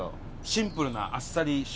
シンプルなあっさり醤油。